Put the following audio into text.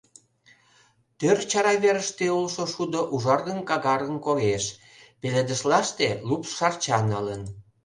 Тӧр чара верыште улшо шудо ужаргын-какаргын коеш, пеледышлаште лупс шарча налын.